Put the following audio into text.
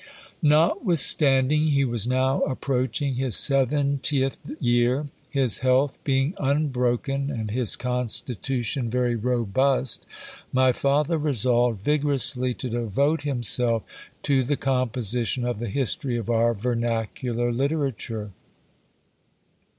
Notwithstanding he was now approaching his seventieth year, his health being unbroken and his constitution very robust, my father resolved vigorously to devote himself to the composition of the history of our vernacular Literature.